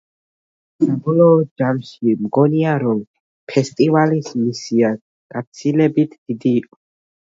საბოლოო ჯამში, მგონია, რომ ფესტივალის მისია გაცილებით დიდი იყო.